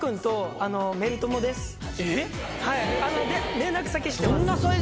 連絡先知ってます。